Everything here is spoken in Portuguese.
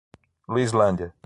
Luislândia